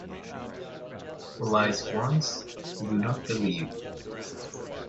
Who lies once, you do not believe.